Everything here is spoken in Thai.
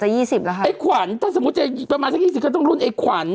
จะยี่สิบแล้วค่ะไอ้ขวัญถ้าสมมุติจะประมาณสักยี่สิบก็ต้องรุ่นไอ้ขวัญ